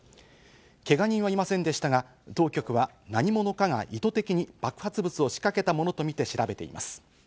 けが人はいませんでしたが、当局は何者かが意図的に爆発物を仕掛けたものとみて調べています。